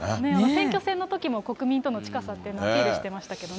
選挙戦のときも国民との近さというのをアピールしてましたけどね。